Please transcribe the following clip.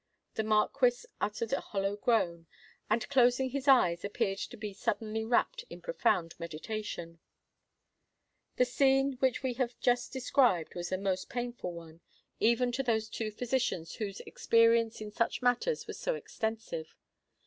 The Marquis uttered a hollow groan, and, closing his eyes, appeared to be suddenly wrapt in profound meditation. The scene which we have just described, was a most painful one—even to those two physicians whose experience in such matters was so extensive.